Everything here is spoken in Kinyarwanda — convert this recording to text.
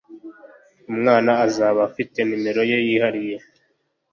umwana azaba afite numero ye yihariye